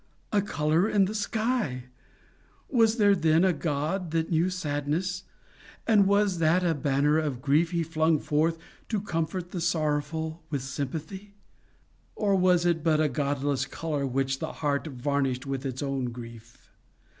A colour in the sky! Was there then a God that knew sadness and was that a banner of grief he hung forth to comfort the sorrowful with sympathy? Or was it but a godless colour which the heart varnished with its own grief?